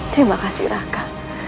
terima kasih raka